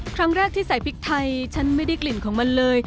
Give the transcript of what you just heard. ครั้งแรกที่ใส่พริกไทยฉันไม่ได้กลิ่นของมันเลย